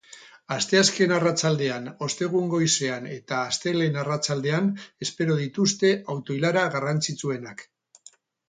Asteazken arratsaldean, ostegun goizean eta astelehen arratsaldean espero dituzte auto ilara garrantzitsuenak.